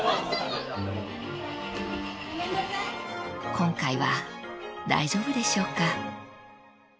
［今回は大丈夫でしょうか？］